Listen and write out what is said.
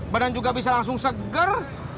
badan juga bisa langsung segar